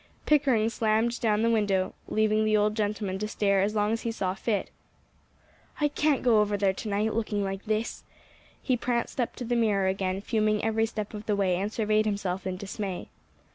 Pickering slammed down the window, leaving the old gentleman to stare as long as he saw fit. "I can't go over there to night, looking like this." He pranced up to the mirror again, fuming every step of the way, and surveyed himself in dismay.